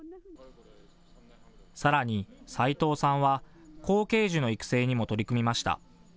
さらに斉藤さんは後継樹の育成にも取り組みました。